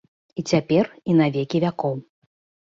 І цяпер, і на векі вякоў!